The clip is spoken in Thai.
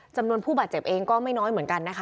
จำนวนผู้บาดเจ็บเองก็ไม่น้อยเหมือนกันนะคะ